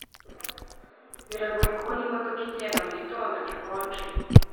Biragoye kubona imodoka igenda mugitondo gikonje